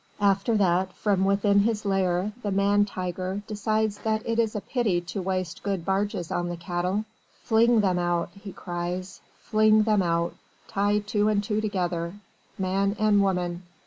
After that from within his lair the man tiger decides that it is a pity to waste good barges on the cattle: "Fling them out!" he cries. "Fling them out! Tie two and two together. Man and woman!